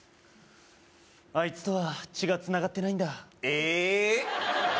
あいつとは血がつながってないんだえっ？